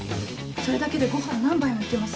それだけでご飯何杯も行けます。